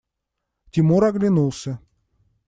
Тимур оглянулся.